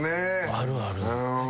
あるある。